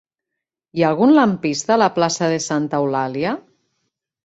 Hi ha algun lampista a la plaça de Santa Eulàlia?